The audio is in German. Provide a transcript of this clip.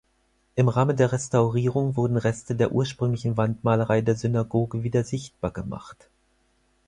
Im Rahmen der Restaurierung wurden Reste der ursprünglichen Wandmalerei der Synagoge wieder sichtbar gemacht.